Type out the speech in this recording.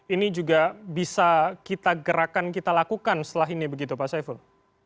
ini juga bisa kita gerakan kita lakukan setelah ini begitu pak saiful